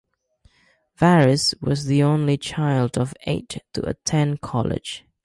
Varis was the only child of eight to attend college.